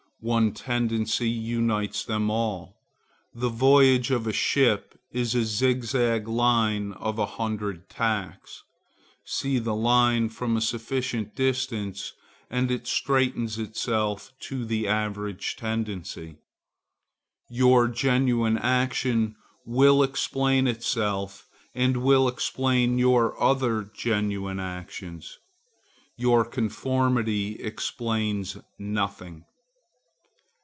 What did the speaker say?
One tendency unites them all. The voyage of the best ship is a zigzag line of a hundred tacks. See the line from a sufficient distance, and it straightens itself to the average tendency. Your genuine action will explain itself and will explain your other genuine actions. Your conformity explains nothing.